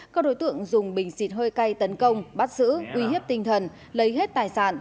các đối tượng dùng bình xịt hơi cay tấn công bắt giữ uy hiếp tinh thần lấy hết tài sản